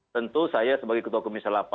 tentu saya sebagai ketua komisi delapan